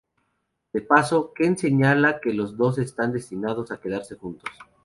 De paso, Ken señala que los dos están destinados a quedarse juntos.